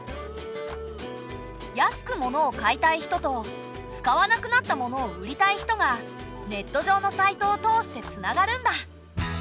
安く物を買いたい人と使わなくなった物を売りたい人がネット上のサイトを通してつながるんだ。